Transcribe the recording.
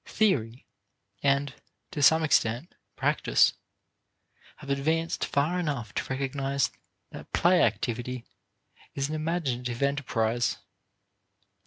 Theory, and to some extent practice, have advanced far enough to recognize that play activity is an imaginative enterprise.